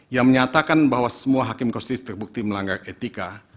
yang menyatakan bahwa semua hakim konstitusi terbukti melanggar etika